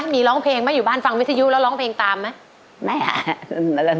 มีร้องเพลงไหมอยู่บ้านฟังวิทยุแล้วร้องเพลงตามไหม